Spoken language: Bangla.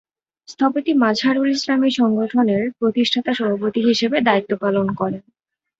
স্থপতি মাজহারুল ইসলাম এই সংগঠনের প্রতিষ্ঠাতা সভাপতি হিসেবে দ্বায়িত্ব পালন করেন।